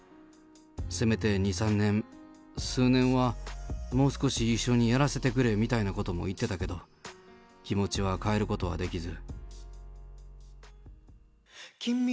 せめて２、３年、数年はもう少し一緒にやらせてくれみたいなことも言ってたけど、気持ちは変えることはできず。